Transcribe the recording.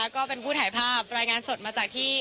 ก็เป็นผู้ถ่ายภาพรายงานสดมาจากที่